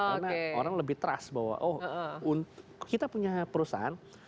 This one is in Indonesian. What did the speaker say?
karena orang lebih trust bahwa oh kita punya perusahaan